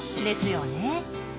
ですよね。